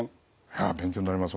勉強になります